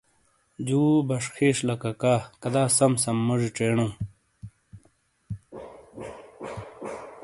جُو بشخیش لاککا۔ کدا سم سم موجی چینؤ !